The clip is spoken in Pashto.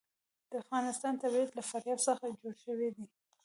د افغانستان طبیعت له فاریاب څخه جوړ شوی دی.